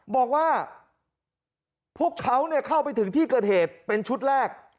บอกว่าพวกเขาเข้าไปถึงที่เกิดเหตุเป็นชุดแรก